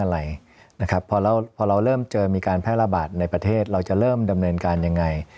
อะไรนะครับพอเราเริ่มเจอมีการแพร่ระบาดในประเทศเราจะเริ่มดำเนินการยังไง